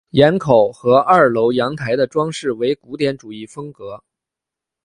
檐口和二楼阳台的装饰为古典主义风格。